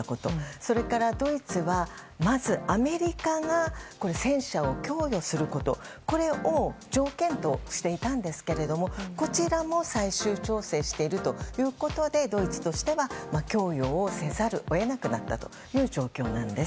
それから、ドイツはまずアメリカが戦車を供与することを条件としていたんですけどこちらも最終調整しているということで、ドイツとしては供与をせざるを得なくなったという状況なんです。